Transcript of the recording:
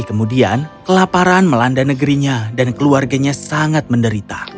kemudian kelaparan melanda negerinya dan keluarganya sangat menderita